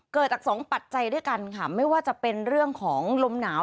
เกิดจากสองปัจจัยด้วยกันค่ะไม่ว่าจะเป็นเรื่องของลมหนาว